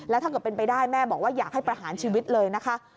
แล้วถ้าเกิดเป็นไปได้แม่บอกว่าอยากให้ประหารชีวิตเลยนะคะ